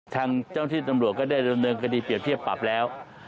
ทางเจ้าที่ตำรวจก็ได้ดำเนินคดีเปรียบเทียบปรับแล้ว